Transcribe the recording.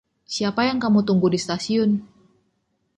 Siapa yang kamu tunggu di stasiun?